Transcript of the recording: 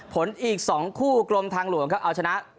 อีก๒คู่กรมทางหลวงครับเอาชนะ